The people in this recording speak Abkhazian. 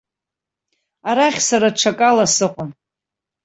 Арахь, сара аҽакала сыҟан.